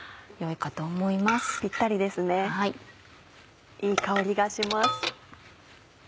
いい香りがします。